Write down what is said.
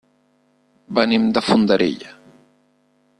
Venim de Fondarella.